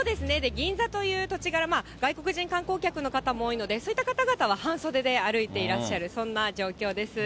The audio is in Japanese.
銀座という土地柄、外国人観光客の方も多いので、そういった方々は半袖で歩いていらっしゃる、そんな状況です。